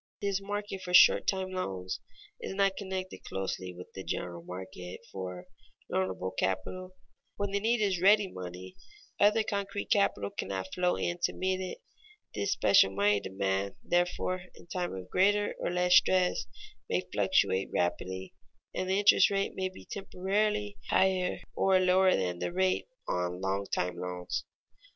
This market for short time loans is not connected closely with the general market for loanable capital. When the need is for ready money, other concrete capital cannot flow in to meet it. This special money demand, therefore, in time of greater or less stress, may fluctuate rapidly, and the interest rate be temporarily higher or lower than the rate on long time loans.